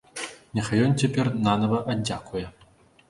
Няхай ён цяпер цябе нанава аддзякуе.